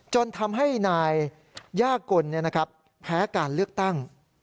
จนทำให้นายย่ากลแพ้การเลือกตั้ง